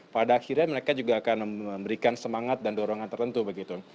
pada akhirnya mereka juga akan memberikan semangat dan dorongan tertentu begitu